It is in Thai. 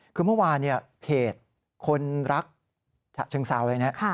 คือเมื่อวานเนี่ยเพจคนรักฉะเชิงเซาอะไรเนี่ย